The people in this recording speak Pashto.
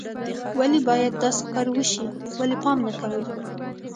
ولې باید داسې کار وشي، ولې پام نه کوئ